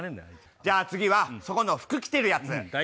じゃあ、次はそこの服着てるやつ